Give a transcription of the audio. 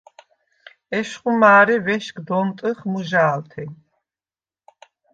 ეშხუ მა̄რე ვეშგდ ონტჷხ მჷჟა̄ლთე.